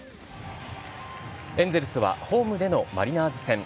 エンゼルスはホームでのマリナーズ戦。